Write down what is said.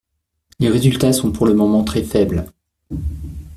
Les résultats sont pour le moment très faibles.